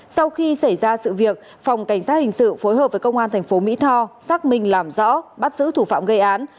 sau khi xảy ra sự việc phòng cảnh sát hình sự phối hợp với công an thành phố mỹ tho xác minh làm rõ bắt giữ thủ phạm gây án